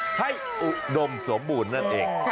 อุดมสมบูรณ์นั่นเอง